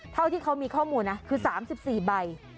เท่าที่เขามีข้อมูลนะคือ๓๔ใบ